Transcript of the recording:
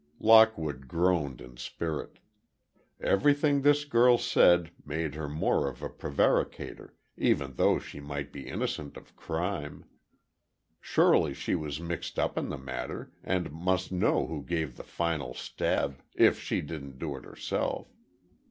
Lockwood groaned in spirit. Everything this girl said made her more of a prevaricator, even though she might be innocent of crime. Surely she was mixed up in the matter, and must know who gave the fatal stab—if she didn't do it herself.